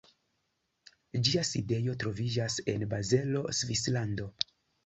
Ĝia sidejo troviĝas en Bazelo, Svislando.